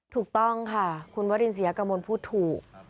ถูกต้องค่ะคุณวัฒนศีรกมณ์พูดถูก